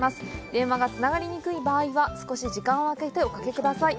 電話がつながりにくい場合は少し時間をあけておかけください。